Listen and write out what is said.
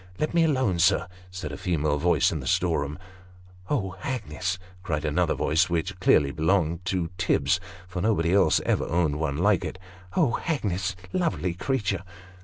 " Let me alone, sir," said a female voice in the storeroom. " Oh, Hagnes !" cried another voice, which clearly belonged to Tibbs, for nobody else ever owned one like it. " Oh, Hagnes lovely creature